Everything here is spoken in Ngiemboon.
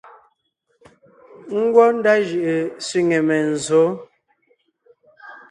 Ngwɔ́ ndá jʉʼʉ sẅiŋe menzsǒ.